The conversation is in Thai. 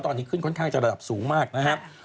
ตอนนี้ขึ้นค่อนข้างจะระดับสูงมากนะครับ